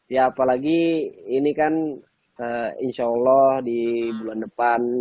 ya apalagi ini kan insya allah di bulan depan